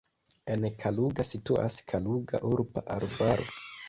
En Kaluga situas Kaluga urba arbaro.